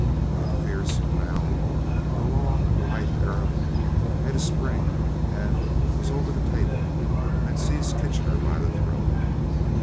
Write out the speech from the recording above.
With a fierce bound the long, lithe Arab made a spring and was over the table, and had seized Kitchener by the throat.